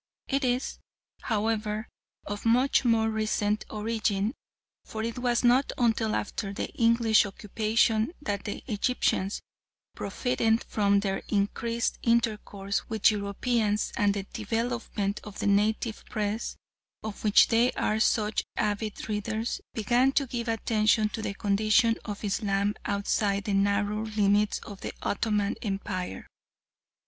It is, however, of much more recent origin, for it was not until after the English occupation that the Egyptians, profiting from their increased intercourse with Europeans, and the development of the native Press, of which they are such avid readers, began to give attention to the condition of Islam outside the narrow limits of the Ottoman Empire.